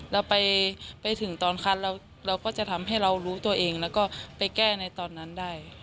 เราไปถึงตอนคันเราก็จะทำให้เรารู้ตัวเองแล้วก็ไปแก้ในตอนนั้นได้